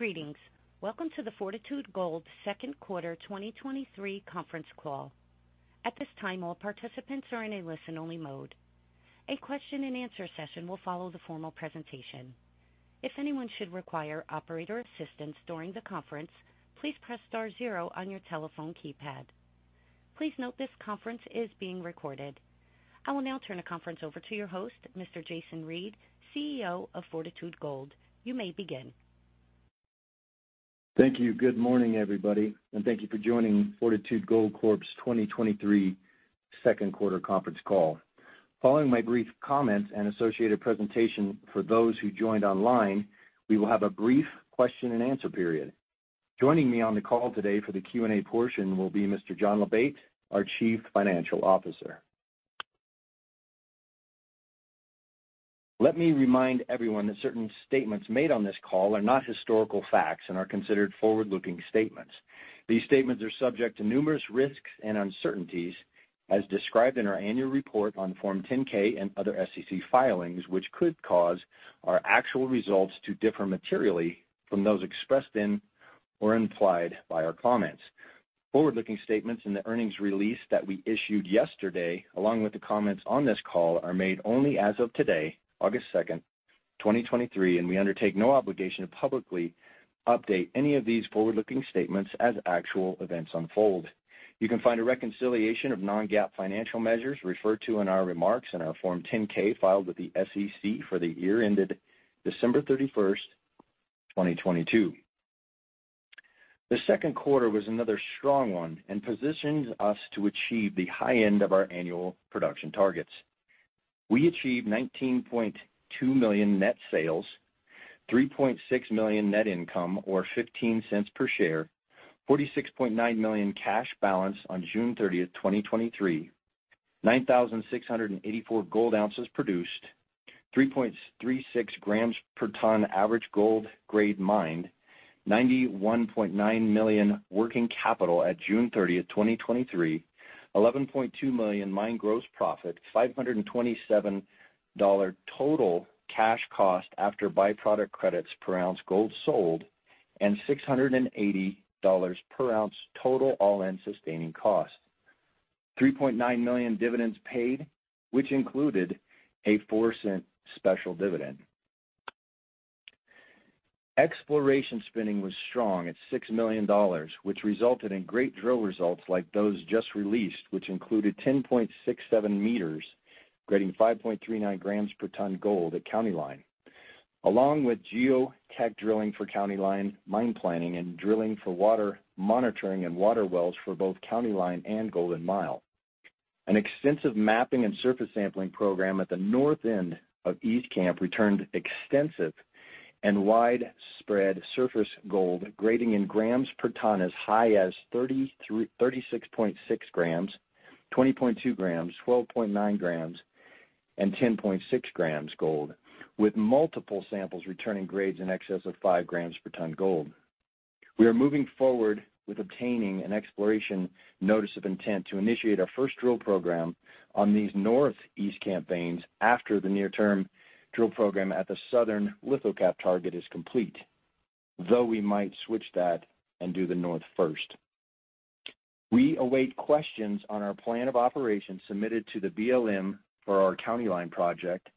Greetings. Welcome to the Fortitude Gold Q2 2023 conference call. At this time, all participants are in a listen-only mode. A question-and-answer session will follow the formal presentation. If anyone should require operator assistance during the conference, please press star zero on your telephone keypad. Please note this conference is being recorded. I will now turn the conference over to your host, Mr. Jason Reid, CEO of Fortitude Gold. You may begin. Thank you. Good morning, everybody, and thank you for joining Fortitude Gold Corporation's 2023 Q2 conference call. Following my brief comments and associated presentation for those who joined online, we will have a brief question-and-answer period. Joining me on the call today for the Q&A portion will be Mr. John Labate, our Chief Financial Officer. Let me remind everyone that certain statements made on this call are not historical facts and are considered forward-looking statements. These statements are subject to numerous risks and uncertainties as described in our annual report on Form 10-K and other SEC filings, which could cause our actual results to differ materially from those expressed in or implied by our comments. Forward-looking statements in the earnings release that we issued yesterday, along with the comments on this call, are made only as of today, August 2, 2023. We undertake no obligation to publicly update any of these forward-looking statements as actual events unfold. You can find a reconciliation of non-GAAP financial measures referred to in our remarks in our Form 10-K, filed with the SEC for the year ended December 31, 2022. The Q2 was another strong one. Positions us to achieve the high end of our annual production targets. We achieved $19.2 million net sales, $3.6 million net income, or $0.15 per share, $46.9 million cash balance on June 30, 2023, 9,684 gold ounces produced, 3.36 grams per ton average gold grade mined, $91.9 million working capital at June 30, 2023, $11.2 million mine gross profit, $527 total cash cost after byproduct credits per ounce gold sold, and $680 per ounce total all-in sustaining cost. $3.9 million dividends paid, which included a $0.04 special dividend. Exploration spending was strong at $6 million, which resulted in great drill results like those just released, which included 10.67 meters, grading 5.39 grams per ton gold at County Line, along with geotechnical drilling for County Line mine planning and drilling for water monitoring and water wells for both County Line and Golden Mile. An extensive mapping and surface sampling program at the north end of East Camp returned extensive and widespread surface gold, grading in grams per ton as high as 36.6 grams, 20.2 grams, 12.9 grams, and 10.6 grams gold, with multiple samples returning grades in excess of 5 grams per ton gold. We are moving forward with obtaining an exploration Notice of Intent to initiate our first drill program on these northeast claims after the near-term drill program at the southern lithocap target is complete, though we might switch that and do the north first. We await questions on our Plan of Operations submitted to the BLM for our County Line project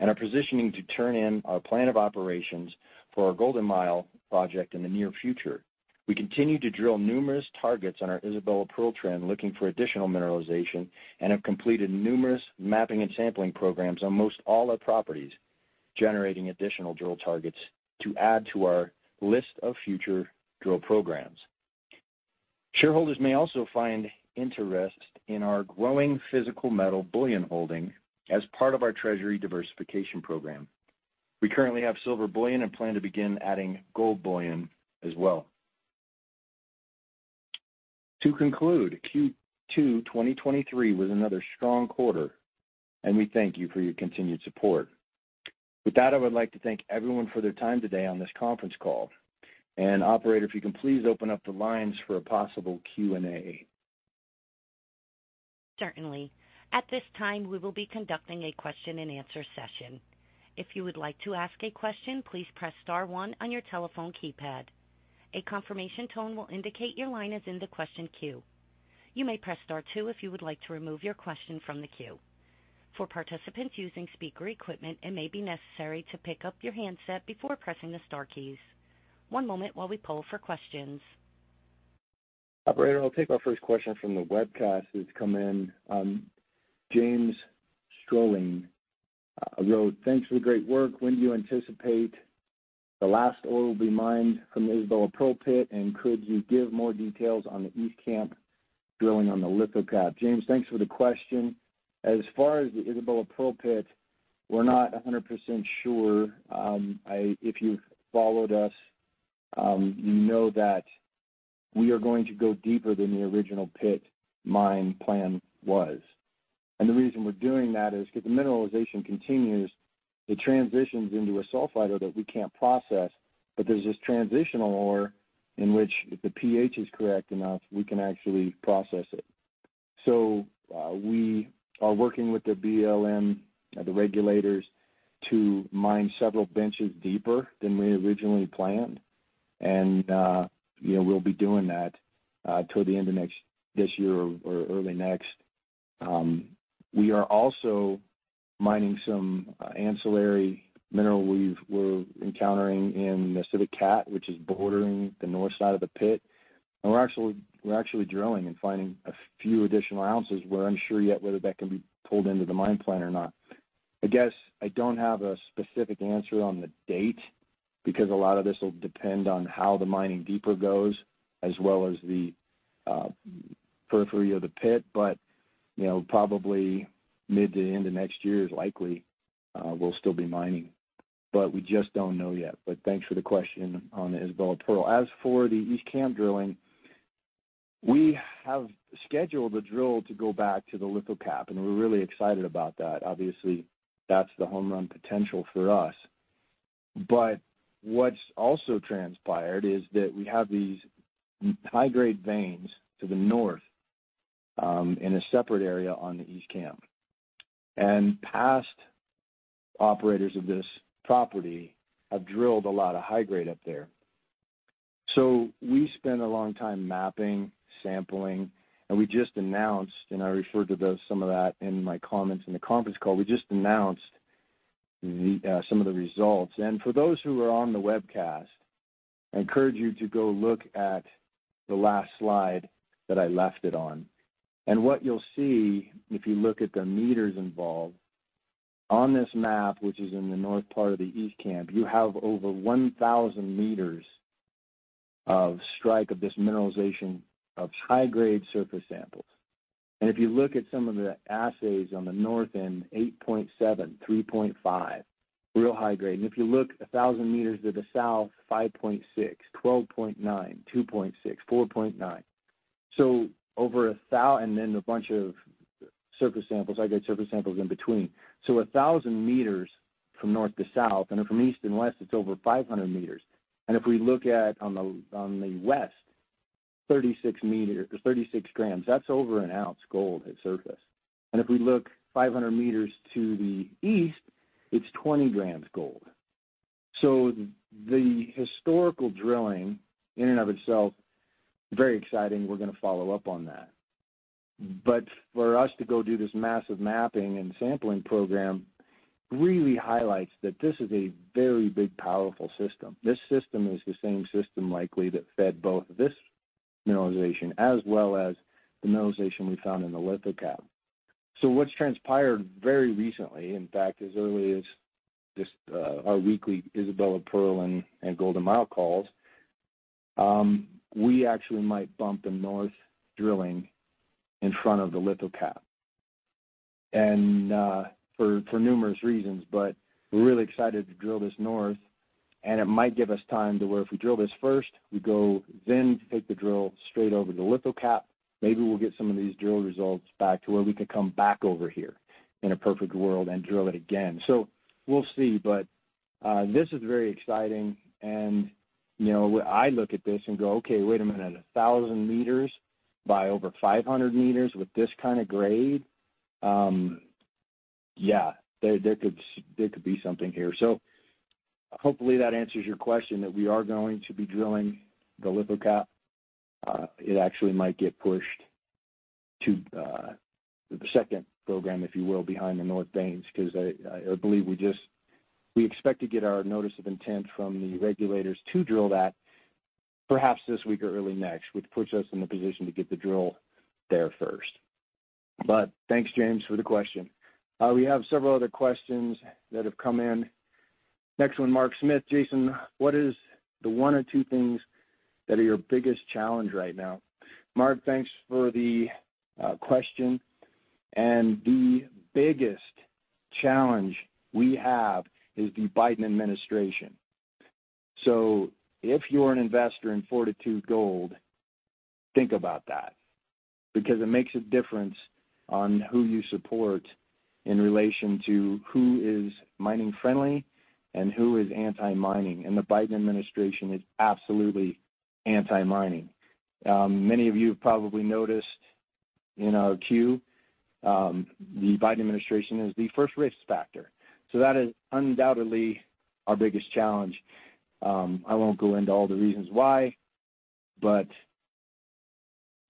and are positioning to turn in our Plan of Operations for our Golden Mile project in the near future. We continue to drill numerous targets on our Isabella Pearl trend, looking for additional mineralization, and have completed numerous mapping and sampling programs on most all our properties, generating additional drill targets to add to our list of future drill programs. Shareholders may also find interest in our growing physical metal bullion holding as part of our treasury diversification program. We currently have silver bullion and plan to begin adding gold bullion as well. To conclude, Q2 2023 was another strong quarter, and we thank you for your continued support. With that, I would like to thank everyone for their time today on this conference call, and operator, if you can please open up the lines for a possible Q&A. Certainly. At this time, we will be conducting a question-and-answer session. If you would like to ask a question, please press star one on your telephone keypad. A confirmation tone will indicate your line is in the question queue. You may press star two if you would like to remove your question from the queue. For participants using speaker equipment, it may be necessary to pick up your handset before pressing the star keys. One moment while we poll for questions. Operator, I'll take our first question from the webcast that's come in, Lawrence Stroll wrote: "Thanks for the great work. When do you anticipate the last ore will be mined from the Isabella Pearl pit, and could you give more details on the East Camp drilling on the lithocap?" Lawrence, thanks for the question. As far as the Isabella Pearl pit, we're not 100% sure. If you've followed us, you know that we are going to go deeper than the original pit mine plan was. And the reason we're doing that is because the mineralization continues. It transitions into a sulfide ore that we can't process, but there's this transitional ore in which, if the pH is correct enough, we can actually process it.... We are working with the BLM and the regulators to mine several benches deeper than we originally planned. You know, we'll be doing that toward the end of next, this year or early next. We are also mining some ancillary mineral we're encountering in the Civic Cat, which is bordering the north side of the pit. We're actually, we're actually drilling and finding a few additional ounces. We're unsure yet whether that can be pulled into the mine plan or not. I guess, I don't have a specific answer on the date, because a lot of this will depend on how the mining deeper goes, as well as the periphery of the pit. You know, probably mid to end of next year is likely, we'll still be mining. We just don't know yet. Thanks for the question on the Isabella Pearl. As for the East Camp drilling, we have scheduled a drill to go back to the lithocap, and we're really excited about that. Obviously, that's the home run potential for us. What's also transpired is that we have these high-grade veins to the north, in a separate area on the East Camp. Past operators of this property have drilled a lot of high grade up there. We spent a long time mapping, sampling, and we just announced, and I referred to those, some of that in my comments in the conference call, we just announced the some of the results. For those who are on the webcast, I encourage you to go look at the last slide that I left it on. What you'll see, if you look at the meters involved, on this map, which is in the north part of the East Camp, you have over 1,000 meters of strike of this mineralization of high-grade surface samples. If you look at some of the assays on the north end, 8.7, 3.5, real high grade. If you look 1,000 meters to the south, 5.6, 12.9, 2.6, 4.9. and then a bunch of surface samples, I get surface samples in between. A thousand meters from north to south, and from east and west, it's over 500 meters. If we look at on the west, 36 grams, that's over an ounce gold at surface. If we look 500 meters to the east, it's 20 grams gold. The historical drilling, in and of itself, very exciting. We're going to follow up on that. For us to go do this massive mapping and sampling program, really highlights that this is a very big, powerful system. This system is the same system, likely, that fed both this mineralization as well as the mineralization we found in the lithocap. What's transpired very recently, in fact, as early as just, our weekly Isabella Pearl and Golden Mile calls, we actually might bump the north drilling in front of the lithocap. For, for numerous reasons, but we're really excited to drill this north, and it might give us time to where if we drill this first, we go then take the drill straight over the lithocap. Maybe we'll get some of these drill results back to where we could come back over here in a perfect world and drill it again. We'll see. This is very exciting, and, you know, I look at this and go, okay, wait a minute, 1,000 meters by over 500 meters with this kind of grade? Yeah, there, there could, there could be something here. Hopefully that answers your question, that we are going to be drilling the lithocap. It actually might get pushed to the second program, if you will, behind the North Veins, because I, I believe we expect to get our Notice of Intent from the regulators to drill that perhaps this week or early next, which puts us in the position to get the drill there first. Thanks, James, for the question. We have several other questions that have come in. Next one, Mark Smith. Jason, what is the one or two things that are your biggest challenge right now? Mark, thanks for the question. The biggest challenge we have is the Biden administration. If you're an investor in Fortitude Gold, think about that, because it makes a difference on who you support in relation to who is mining friendly and who is anti-mining. The Biden administration is absolutely anti-mining. Many of you have probably noticed in our Q, the Biden administration is the first risk factor. That is undoubtedly our biggest challenge. I won't go into all the reasons why, but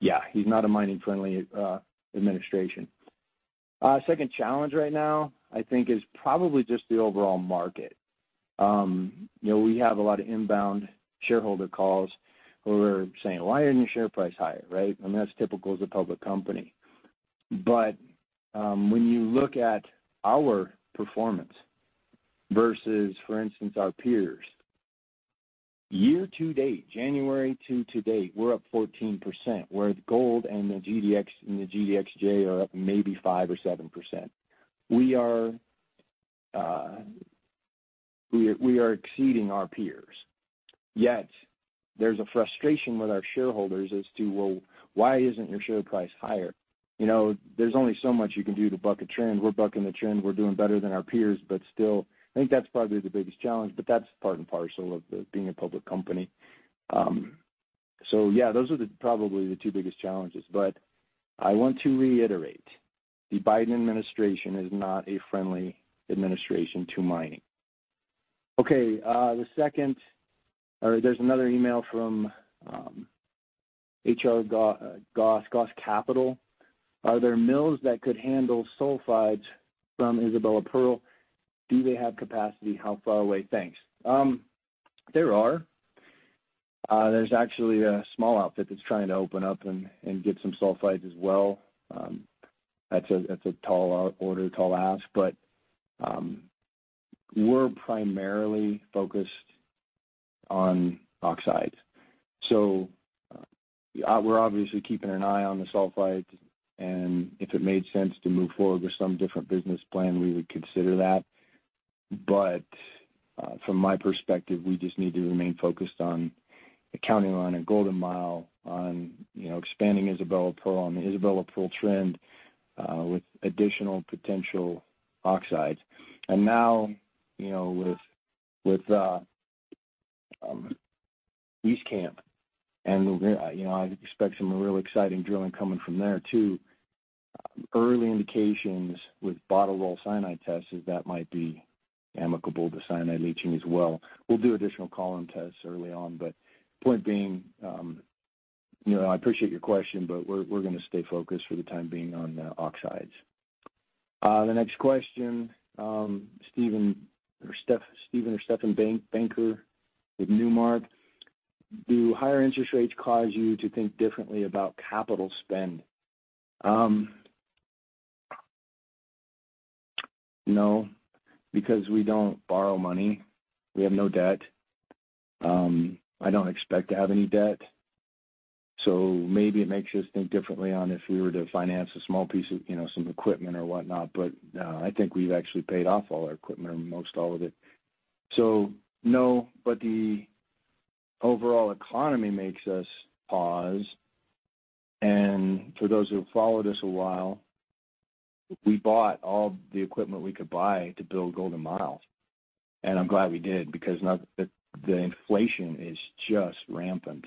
yeah, he's not a mining-friendly administration. Second challenge right now, I think, is probably just the overall market. You know, we have a lot of inbound shareholder calls who are saying: Why isn't your share price higher, right? That's typical as a public company. When you look at our performance versus, for instance, our peers, year to date, January to to date, we're up 14%, whereas gold and the GDX and the GDXJ are up maybe 5% or 7%. We are, we are, we are exceeding our peers, yet there's a frustration with our shareholders as to, well, why isn't your share price higher? You know, there's only so much you can do to buck a trend. We're bucking the trend. We're doing better than our peers, but still, I think that's probably the biggest challenge, but that's part and parcel of the, being a public company. Yeah, those are the, probably the two biggest challenges. I want to reiterate, the Biden administration is not a friendly administration to mining. Okay, the second, or there's another email from H.R. Goss, Goss Capital. Are there mills that could handle sulfides from Isabella Pearl? Do they have capacity? How far away? Thanks. There are. There's actually a small outfit that's trying to open up and, and get some sulfides as well. That's a, that's a tall order, tall ask, but we're primarily focused on oxides. We're obviously keeping an eye on the sulfides, and if it made sense to move forward with some different business plan, we would consider that. From my perspective, we just need to remain focused on the County Line and Golden Mile on, you know, expanding Isabella Pearl on the Isabella Pearl trend with additional potential oxides. Now, you know, with, with East Camp and, you know, I expect some real exciting drilling coming from there, too. Early indications with bottle roll cyanide tests is that might be amicable to cyanide leaching as well. We'll do additional column tests early on, point being, you know, I appreciate your question, but we're, we're going to stay focused for the time being on oxides. The next question, Stephen Banker with Newmark. Do higher interest rates cause you to think differently about capital spend? No, because we don't borrow money. We have no debt. I don't expect to have any debt, so maybe it makes us think differently on if we were to finance a small piece of, you know, some equipment or whatnot. No, I think we've actually paid off all our equipment or most all of it. No, but the overall economy makes us pause. For those who have followed us a while, we bought all the equipment we could buy to build Golden Mile, and I'm glad we did because now the inflation is just rampant.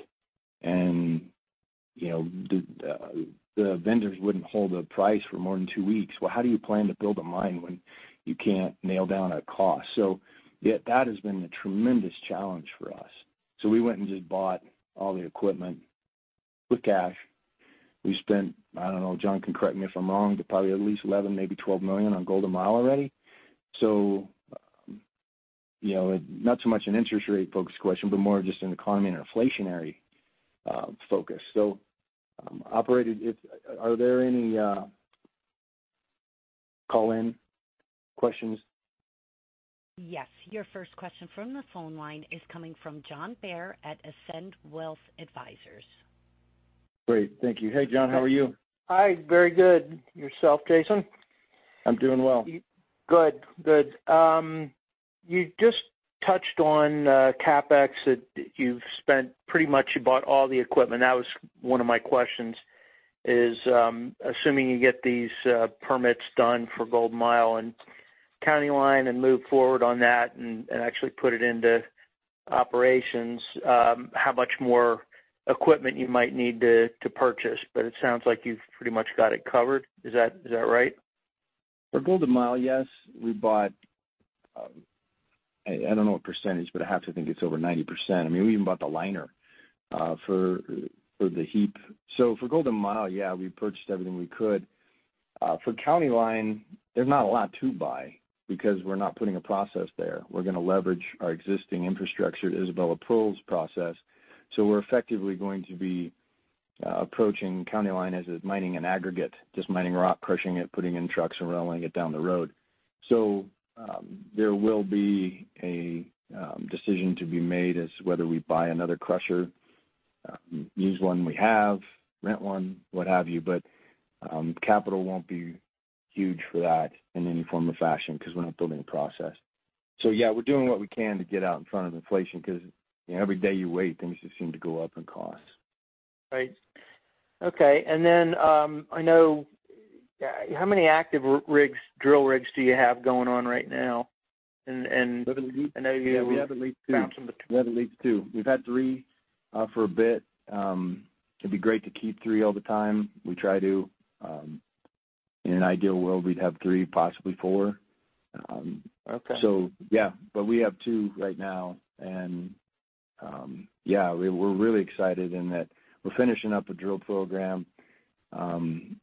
You know, the, the vendors wouldn't hold a price for more than two weeks. Well, how do you plan to build a mine when you can't nail down a cost? That has been a tremendous challenge for us. We went and just bought all the equipment with cash. We spent, I don't know, John can correct me if I'm wrong, but probably at least $11 million, maybe $12 million on Golden Mile already. You know, not so much an interest rate focused question, but more just an economy and inflationary focus. Operator, are there any call-in questions? Yes. Your first question from the phone line is coming from John Baer at Ascend Wealth Advisors. Great. Thank you. Hey, John, how are you? Hi, very good. Yourself, Jason? I'm doing well. Good, good. You just touched on CapEx, that you've spent pretty much, you bought all the equipment. That was one of my questions, is, assuming you get these permits done for Golden Mile and County Line and move forward on that and, and actually put it into operations, how much more equipment you might need to, to purchase? It sounds like you've pretty much got it covered. Is that, is that right? For Golden Mile, yes. We bought, I, I don't know what percentage, but I have to think it's over 90%. I mean, we even bought the liner, for, for the heap. For Golden Mile, yeah, we purchased everything we could. For County Line, there's not a lot to buy because we're not putting a process there. We're going to leverage our existing infrastructure, Isabella Pearl's process. We're effectively going to be approaching County Line as mining an aggregate, just mining rock, crushing it, putting it in trucks and rolling it down the road. There will be a decision to be made as whether we buy another crusher, use one we have, rent one, what have you. But capital won't be huge for that in any form or fashion because we're not building a process. Yeah, we're doing what we can to get out in front of inflation, because, you know, every day you wait, things just seem to go up in cost. Right. Okay. Then, I know, how many active drill rigs do you have going on right now? We have at least two. I know. We have at least 2. We've had 3 for a bit. It'd be great to keep 3 all the time. We try to. In an ideal world, we'd have 3, possibly 4. Okay. Yeah, but we have two right now. Yeah, we're, we're really excited in that we're finishing up a drill program on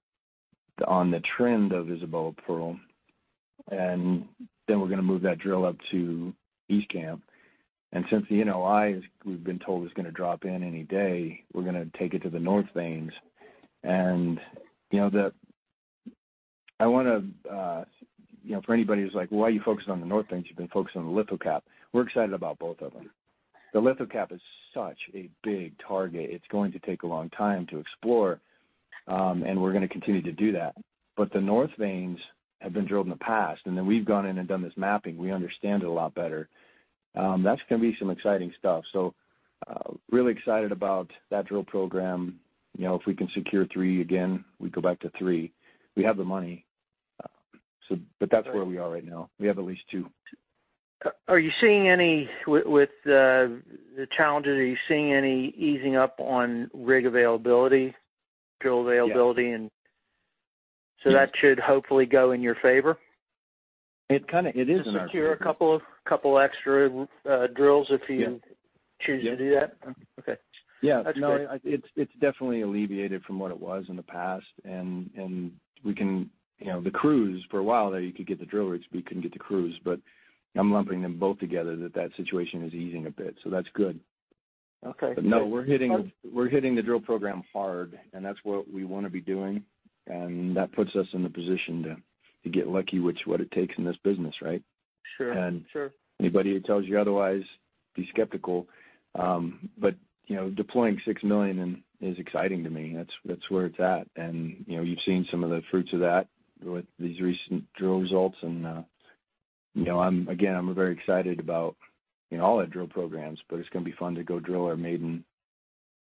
the trend of Isabella Pearl, and then we're going to move that drill up to East Camp. Since the NOI, as we've been told, is going to drop in any day, we're going to take it to the North Veins. You know, the, I want to, you know, for anybody who's like, "Why are you focused on the North Veins? You've been focused on the lithocap." We're excited about both of them. The lithocap is such a big target, it's going to take a long time to explore, and we're going to continue to do that. The North Veins have been drilled in the past, and then we've gone in and done this mapping. We understand it a lot better. That's going to be some exciting stuff. Really excited about that drill program. You know, if we can secure 3 again, we'd go back to 3. We have the money. But that's where we are right now. We have at least 2. Are you seeing any, with, with, the challenges, are you seeing any easing up on rig availability, drill availability? Yeah. That should hopefully go in your favor? It kind of, it is in our favor. Just secure couple extra, drills if you- Yeah choose to do that. Yeah. Okay. Yeah. That's great. No, it's, it's definitely alleviated from what it was in the past, and, and we can, you know, the crews for a while there, you could get the drillers, but you couldn't get the crews. I'm lumping them both together that, that situation is easing a bit, so that's good. Okay. No, we're hitting, we're hitting the drill program hard, and that's what we want to be doing. That puts us in the position to get lucky, which is what it takes in this business, right? Sure. Sure. Anybody who tells you otherwise, be skeptical. But, you know, deploying $6 million and, is exciting to me. That's, that's where it's at. You know, you've seen some of the fruits of that with these recent drill results. You know, I'm, again, I'm very excited about, you know, all our drill programs, but it's going to be fun to go drill our maiden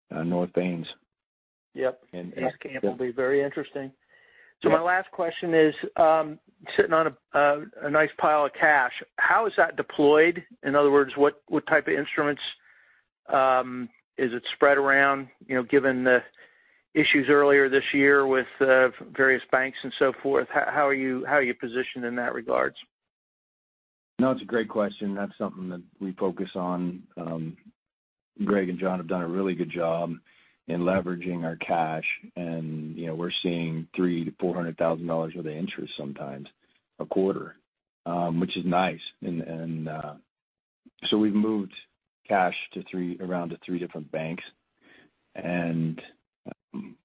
North Veins. Yep. Yeah. That camp will be very interesting. Yeah. My last question is, sitting on a nice pile of cash, how is that deployed? In other words, what, what type of instruments is it spread around? You know, given the issues earlier this year with various banks and so forth, how, how are you, how are you positioned in that regards? No, it's a great question. That's something that we focus on. Greg and John have done a really good job in leveraging our cash, and, you know, we're seeing $300,000-$400,000 worth of interest, sometimes a quarter, which is nice. So we've moved cash to three, around to three different banks.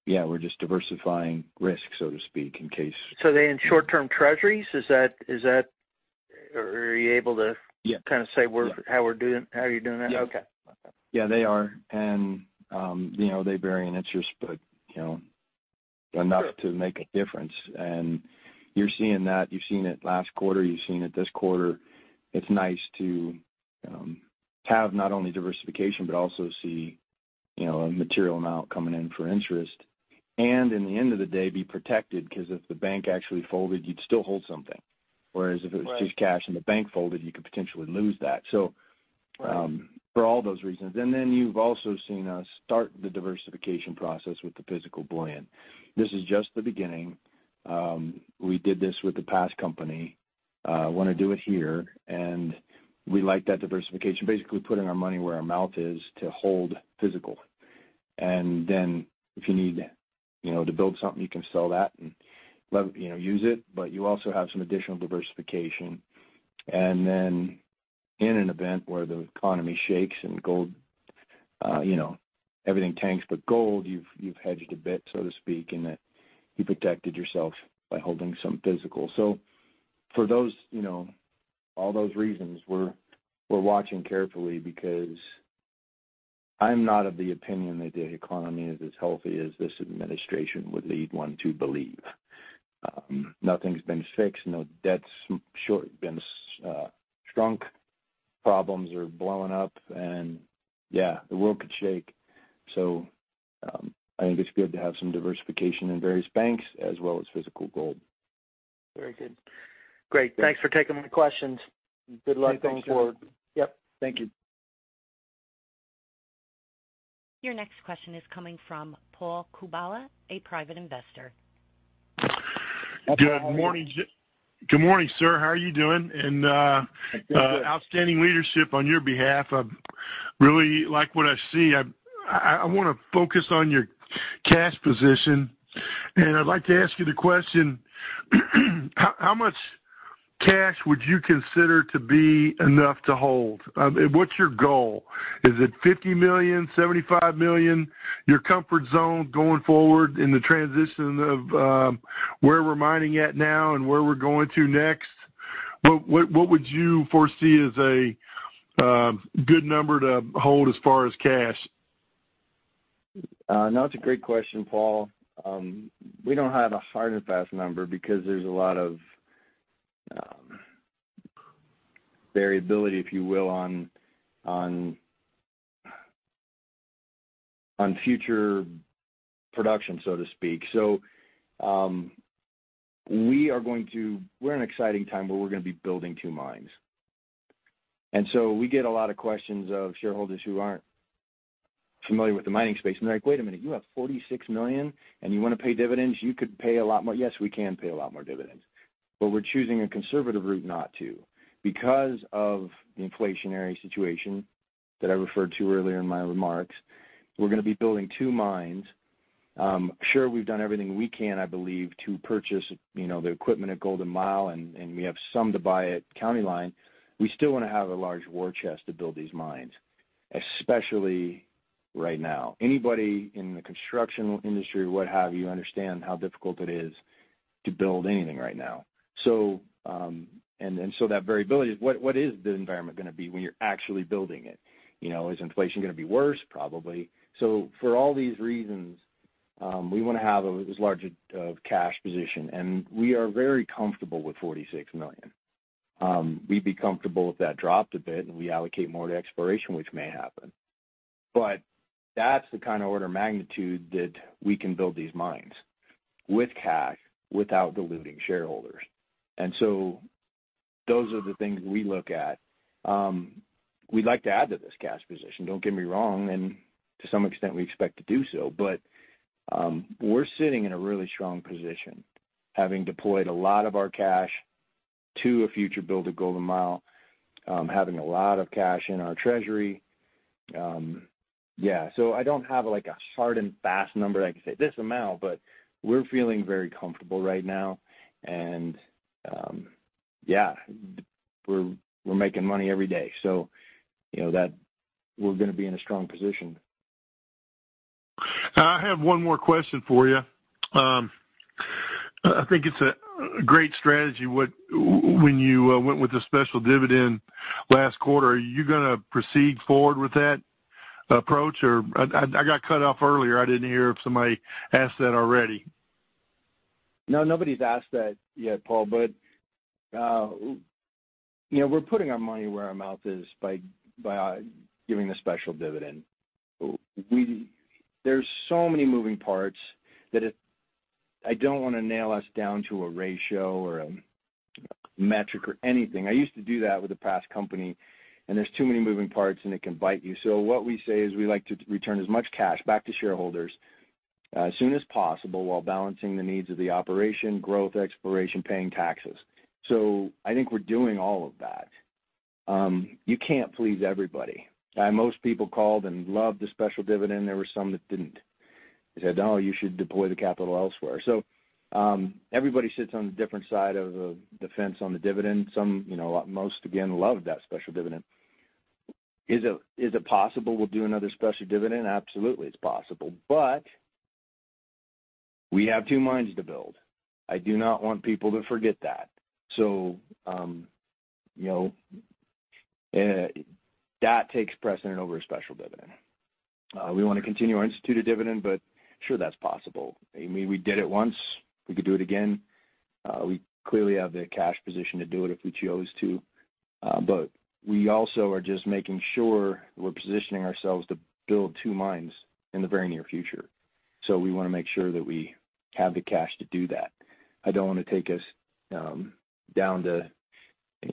Yeah, we're just diversifying risk, so to speak, in case- They're in short-term treasuries, is that... Or are you able to... Yeah kind of say where, how we're doing, how you're doing that? Yes. Okay. Yeah, they are. You know, they vary in interest, but, you know, enough-. Sure to make a difference. You're seeing that, you've seen it last quarter, you've seen it this quarter. It's nice to have not only diversification, but also see, you know, a material amount coming in for interest. In the end of the day, be protected, because if the bank actually folded, you'd still hold something. Right. Whereas if it was just cash and the bank folded, you could potentially lose that. For all those reasons. You've also seen us start the diversification process with the physical bullion. This is just the beginning. We did this with the past company, want to do it here, and we like that diversification. Basically, putting our money where our mouth is to hold physical. If you need, you know, to build something, you can sell that and, you know, use it, but you also have some additional diversification. In an event where the economy shakes and gold, you know, everything tanks but gold, you've, you've hedged a bit, so to speak, and that you protected yourself by holding some physical. For those, you know, all those reasons, we're, we're watching carefully because I'm not of the opinion that the economy is as healthy as this administration would lead one to believe. Nothing's been fixed, no debt's short, been shrunk, problems are blowing up, and yeah, the world could shake. I think it's good to have some diversification in various banks as well as physical gold. Very good. Great. Yeah. Thanks for taking my questions. Good luck going forward. Yep. Thank you. Your next question is coming from Paul Kubala, a private investor. Good morning. Good morning, sir. How are you doing? Doing good.... outstanding leadership on your behalf. I really like what I see. I, I, I want to focus on your cash position, and I'd like to ask you the question: How, how much cash would you consider to be enough to hold? What's your goal? Is it $50 million, $75 million? Your comfort zone going forward in the transition of, where we're mining at now and where we're going to next. What, what, what would you foresee as a, good number to hold as far as cash? No, it's a great question, Paul. We don't have a hard and fast number because there's a lot of variability, if you will, on, on, on future production. We are going to... We're in an exciting time where we're going to be building two mines. We get a lot of questions of shareholders who aren't familiar with the mining space, and they're like, "Wait a minute, you have $46 million, and you want to pay dividends? You could pay a lot more." Yes, we can pay a lot more dividends, but we're choosing a conservative route not to. Because of the inflationary situation that I referred to earlier in my remarks, we're going to be building two mines. Sure, we've done everything we can, I believe, to purchase, you know, the equipment at Golden Mile, we have some to buy at County Line. We still want to have a large war chest to build these mines, especially right now. Anybody in the construction industry, what have you, understand how difficult it is to build anything right now. That variability, what is the environment going to be when you're actually building it? You know, is inflation going to be worse? Probably. For all these reasons, we want to have as large a cash position. We are very comfortable with $46 million. We'd be comfortable if that dropped a bit. We allocate more to exploration, which may happen.... That's the kind of order of magnitude that we can build these mines with cash, without diluting shareholders. So those are the things we look at. We'd like to add to this cash position, don't get me wrong, and to some extent, we expect to do so. We're sitting in a really strong position, having deployed a lot of our cash to a future build at Golden Mile, having a lot of cash in our treasury. Yeah, so I don't have, like, a hard and fast number that I can say this amount, but we're feeling very comfortable right now. Yeah, we're, we're making money every day, so you know that we're gonna be in a strong position. I have one more question for you. I think it's a great strategy, when you went with the special dividend last quarter. Are you gonna proceed forward with that approach, or? I got cut off earlier. I didn't hear if somebody asked that already. No, nobody's asked that yet, Paul. You know, we're putting our money where our mouth is by giving the special dividend. There's so many moving parts that it, I don't want to nail us down to a ratio or a metric or anything. I used to do that with a past company, and there's too many moving parts, and it can bite you. What we say is we like to return as much cash back to shareholders as soon as possible, while balancing the needs of the operation, growth, exploration, paying taxes. I think we're doing all of that. You can't please everybody. Most people called and loved the special dividend. There were some that didn't. They said, "Oh, you should deploy the capital elsewhere." Everybody sits on a different side of the fence on the dividend. Some, you know, most again, loved that special dividend. Is it, is it possible we'll do another special dividend? Absolutely, it's possible. We have 2 mines to build. I do not want people to forget that. You know, that takes precedent over a special dividend. We want to continue our instituted dividend, but sure, that's possible. I mean, we did it once. We could do it again. We clearly have the cash position to do it if we chose to. We also are just making sure we're positioning ourselves to build 2 mines in the very near future. We want to make sure that we have the cash to do that. I don't want to take us down to,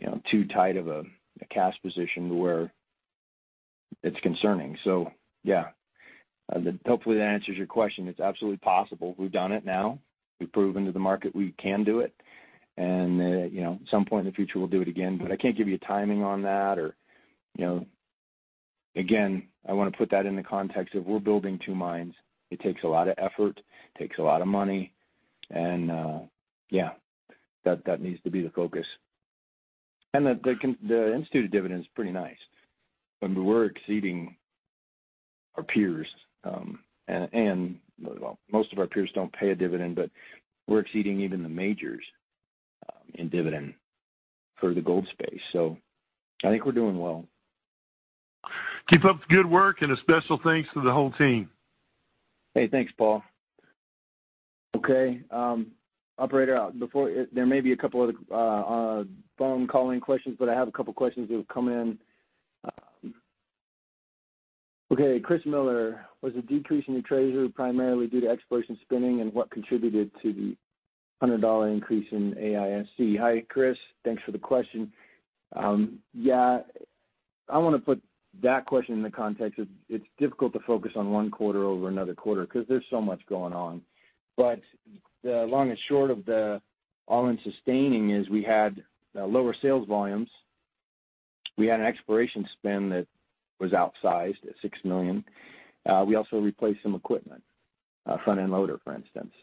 you know, too tight of a cash position where it's concerning. Yeah, hopefully, that answers your question. It's absolutely possible. We've done it now. We've proven to the market we can do it, and, you know, at some point in the future, we'll do it again. I can't give you timing on that or, you know... Again, I want to put that in the context of we're building two mines. It takes a lot of effort, takes a lot of money, and, yeah, that, that needs to be the focus. The instituted dividend is pretty nice. I mean, we're exceeding our peers, and, well, most of our peers don't pay a dividend, but we're exceeding even the majors in dividend for the gold space. I think we're doing well. Keep up the good work, and a special thanks to the whole team. Hey, thanks, Paul. Okay, operator, before, there may be a couple other, phone call-in questions, but I have a couple questions that have come in. Okay, Chris Miller: Was the decrease in your treasury primarily due to exploration spending, and what contributed to the $100 increase in AISC? Hi, Chris. Thanks for the question. Yeah, I want to put that question in the context of it's difficult to focus on one quarter over another quarter because there's so much going on. The long and short of the all-in sustaining is we had lower sales volumes. We had an exploration spend that was outsized at $6 million. We also replaced some equipment, a front-end loader, for instance.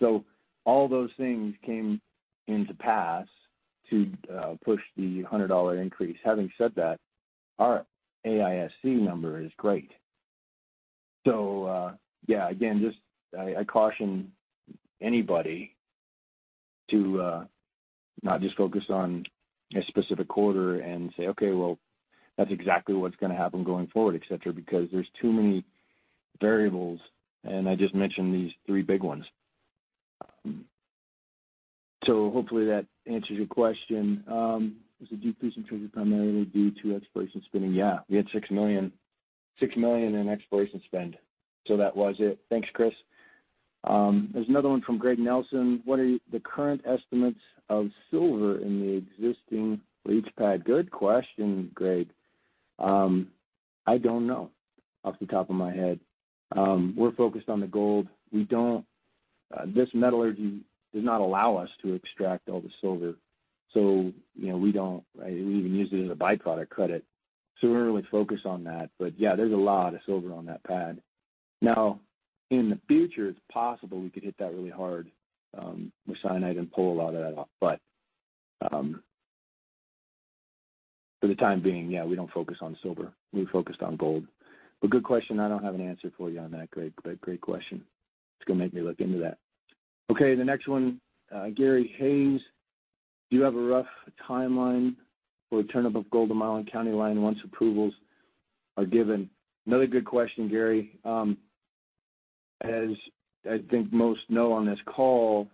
All those things came into pass to push the $100 increase. Having said that, our AISC number is great. Yeah, again, just I, I caution anybody to not just focus on a specific quarter and say, "Okay, well, that's exactly what's gonna happen going forward," et cetera, because there's too many variables, and I just mentioned these 3 big ones. Hopefully that answers your question. Was the decrease in treasury primarily due to exploration spending? Yeah, we had $6 million, $6 million in exploration spend. That was it. Thanks, Chris. There's another one from Greg Nelson: What are the current estimates of silver in the existing leach pad? Good question, Greg. I don't know off the top of my head. We're focused on the gold. We don't, this metallurgy does not allow us to extract all the silver, so you know, we don't, we even use it as a byproduct credit. We don't really focus on that. Yeah, there's a lot of silver on that pad. Now, in the future, it's possible we could hit that really hard, with cyanide and pull a lot of that off. For the time being, yeah, we don't focus on silver. We're focused on gold. Good question. I don't have an answer for you on that, Greg, but great question. It's gonna make me look into that. Okay, the next one, Gary Hayes: Do you have a rough timeline for the turn of Golden Mile and County Line once approvals are given? Another good question, Gary. As I think most know on this call,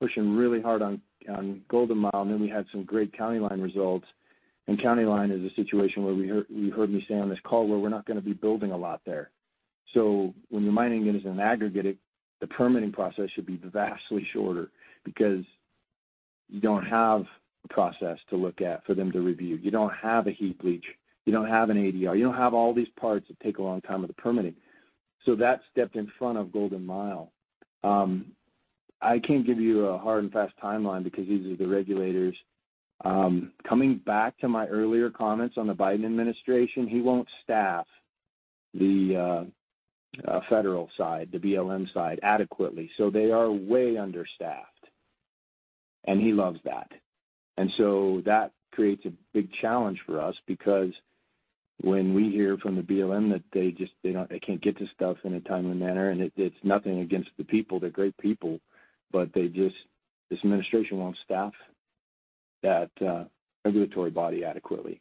pushing really hard on, on Golden Mile, and then we had some great County Line results. County Line is a situation where we heard, we heard me say on this call, where we're not going to be building a lot there. When you're mining it as an aggregate, the permitting process should be vastly shorter because you don't have a process to look at for them to review. You don't have a heap leach, you don't have an ADR, you don't have all these parts that take a long time with the permitting. That stepped in front of Golden Mile. I can't give you a hard and fast timeline because these are the regulators. Coming back to my earlier comments on the Biden administration, he won't staff the federal side, the BLM side, adequately, so they are way understaffed, and he loves that. That creates a big challenge for us, because when we hear from the BLM that they just, they don't, they can't get to stuff in a timely manner, and it, it's nothing against the people. They're great people, but they just. This administration won't staff that regulatory body adequately.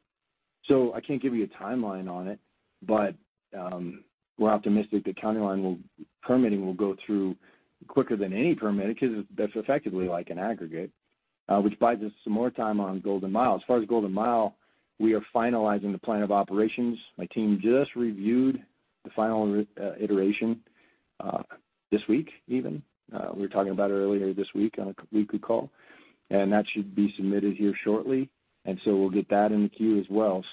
I can't give you a timeline on it, but we're optimistic that County Line will, permitting will go through quicker than any permit because that's effectively like an aggregate, which buys us some more time on Golden Mile. As far as Golden Mile, we are finalizing the Plan of Operations. My team just reviewed the final iteration this week even. We were talking about it earlier this week on a weekly call, that should be submitted here shortly, we'll get that in the queue as well.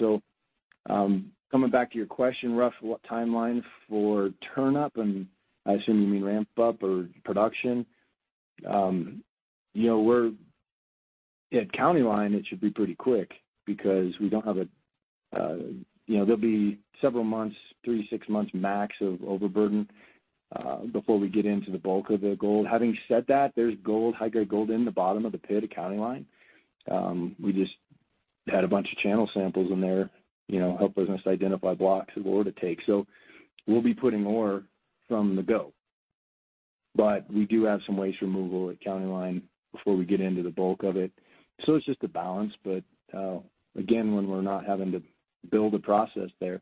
Coming back to your question, Russ, what timeline for turnup? I assume you mean ramp up or production. You know, we're, at County Line, it should be pretty quick because we don't have a... You know, there'll be several months, three to six months max, of overburden, before we get into the bulk of the gold. Having said that, there's gold, high-grade gold in the bottom of the pit at County Line. We just had a bunch of channel samples in there, you know, helped us identify blocks of ore to take. We'll be putting ore from the go. We do have some waste removal at County Line before we get into the bulk of it. It's just a balance. Again, when we're not having to build a process there,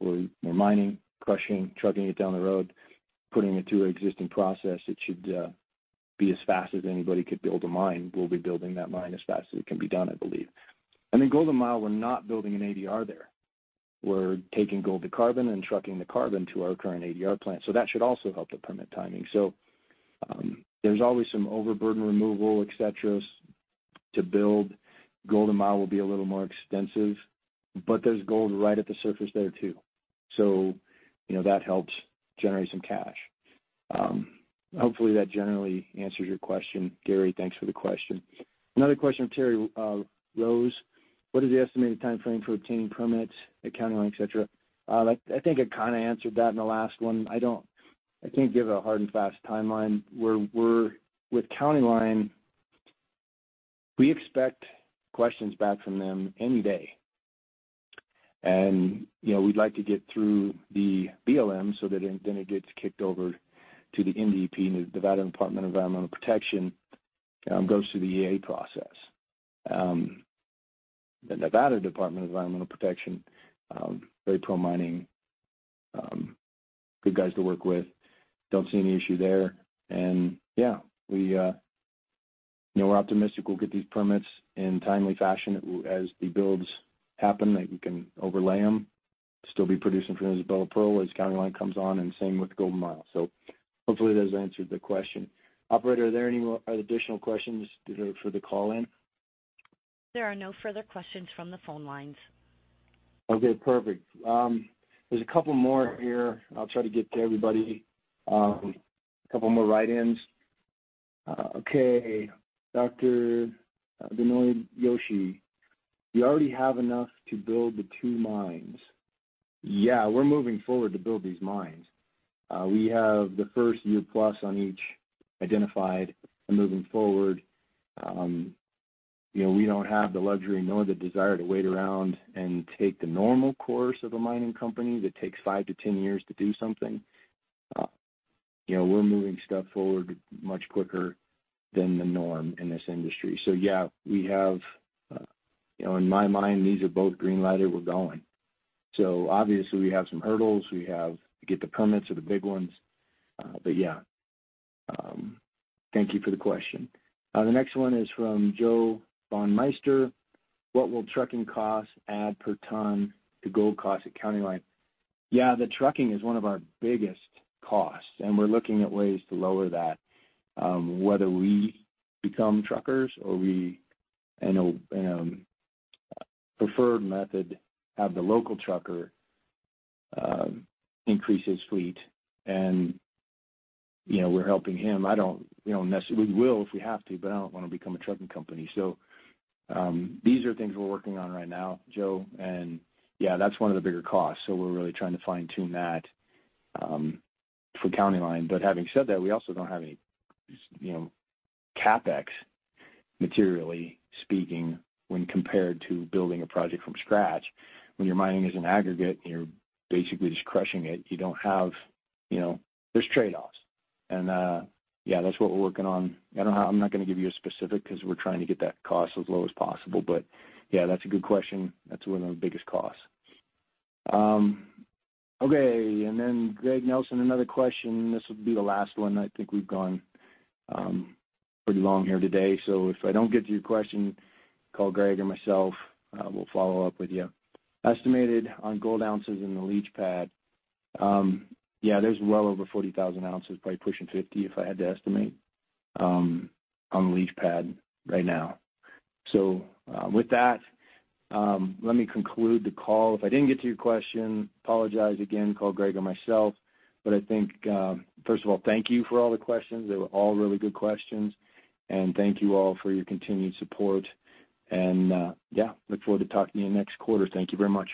we're, we're mining, crushing, trucking it down the road, putting it through an existing process, it should be as fast as anybody could build a mine. We'll be building that mine as fast as it can be done, I believe. Golden Mile, we're not building an ADR there. We're taking gold to carbon and trucking the carbon to our current ADR plant, that should also help the permit timing. There's always some overburden removal, et cetera, to build. Golden Mile will be a little more extensive, there's gold right at the surface there, too, you know, that helps generate some cash. Hopefully, that generally answers your question, Gary. Thanks for the question. Another question from Terry Rose. What is the estimated timeframe for obtaining permits at County Line, et cetera? I, I think I kind of answered that in the last one. I don't, I can't give a hard and fast timeline. We're with County Line, we expect questions back from them any day. You know, we'd like to get through the BLM so that then it gets kicked over to the NDEP, the Nevada Division of Environmental Protection, goes through the EA process. The Nevada Division of Environmental Protection, very pro-mining, good guys to work with. Don't see any issue there. Yeah, we, you know, we're optimistic we'll get these permits in a timely fashion as the builds happen, that we can overlay them, still be producing from Isabella Pearl as County Line comes on, and same with Golden Mile. Hopefully that answers the question. Operator, are there any additional questions for the call-in? There are no further questions from the phone lines. Okay, perfect. There's two more here. I'll try to get to everybody. two more write-ins. Okay, Dr. Benoy Benny. You already have enough to build the 2 mines. Yeah, we're moving forward to build these mines. We have the first year plus on each identified and moving forward. You know, we don't have the luxury nor the desire to wait around and take the normal course of a mining company that takes five to 10 years to do something. You know, we're moving stuff forward much quicker than the norm in this industry. Yeah, we have, you know, in my mind, these are both green-lighted. We're going. Obviously, we have some hurdles. We have to get the permits are the big ones. Yeah, thank you for the question. The next one is from Joe von Meister. What will trucking costs add per ton to gold costs at County Line? Yeah, the trucking is 1 of our biggest costs, we're looking at ways to lower that, whether we become truckers or we, preferred method, have the local trucker increase his fleet and, you know, we're helping him. I don't, you know, necessarily, we will if we have to, but I don't want to become a trucking company. These are things we're working on right now, Joe, and yeah, that's 1 of the bigger costs, so we're really trying to fine-tune that for County Line. Having said that, we also don't have any, you know, CapEx, materially speaking, when compared to building a project from scratch. When your mining is an aggregate and you're basically just crushing it, you don't have, you know, there's trade-offs. Yeah, that's what we're working on. I'm not going to give you a specific because we're trying to get that cost as low as possible. Yeah, that's a good question. That's one of the biggest costs. Okay, Greg Nelson, another question. This will be the last one. I think we've gone pretty long here today, so if I don't get to your question, call Greg or myself. We'll follow up with you. Estimated on gold ounces in the leach pad. Yeah, there's well over 40,000 ounces, probably pushing 50, if I had to estimate, on the leach pad right now. With that, let me conclude the call. If I didn't get to your question, apologize again. Call Greg or myself. I think, first of all, thank you for all the questions. They were all really good questions. Thank you all for your continued support. Yeah, look forward to talking to you next quarter. Thank you very much.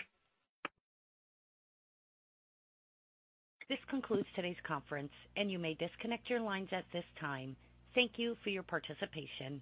This concludes today's conference, and you may disconnect your lines at this time. Thank you for your participation.